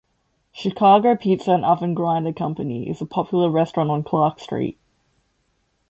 Chicago Pizza and Oven Grinder Company is a popular restaurant on Clark Street.